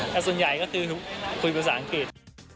แต่ส่วนใหญ่ก็คือคุยภาษาอังกฤษ